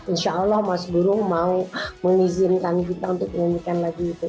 insya allah mas burung mau mengizinkan kita untuk menyanyikan lagu itu